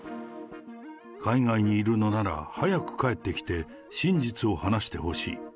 海外にいるのなら、早く帰ってきて、真実を話してほしい。